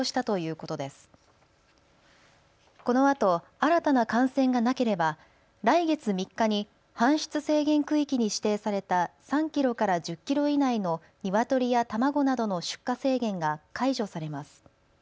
このあと新たな感染がなければ来月３日に搬出制限区域に指定された３キロから１０キロ以内のニワトリや卵などの出荷制限が解除されます。